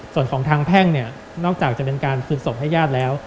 ส่วนของทางแพ่งเนี่ยนอกจากจะเป็นการคืนศพให้ญาติแล้ว